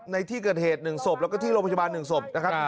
ในที่เกิดเหตุ๑ศพแล้วก็ที่โรงพยาบาล๑ศพนะครับ